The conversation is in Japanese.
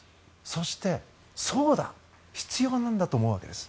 そして、そうだ、必要なんだと思うわけです。